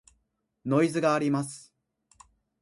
ノイズがあります。